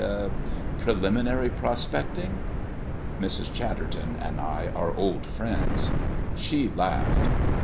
preliminary prospecting?" Mrs. Chatterton and I are old friends. She laughed.